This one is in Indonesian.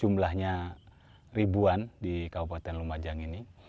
jumlahnya ribuan di kabupaten lumajang ini